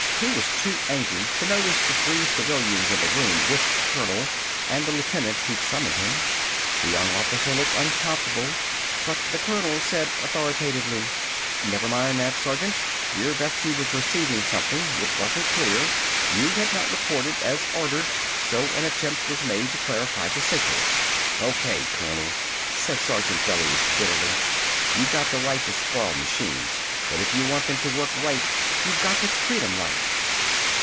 He was too angry to notice the three civilians in the room with the colonel and the lieutenant who'd summoned him. The young officer looked uncomfortable, but the colonel said authoritatively: "Never mind that, Sergeant. Your Betsy was receiving something. It wasn't clear. You had not reported, as ordered, so an attempt was made to clarify the signals." "Okay, Colonel!" said Sergeant Bellews bitterly. "You got the right to spoil machines! But if you want them to work right you got to treat 'em right!"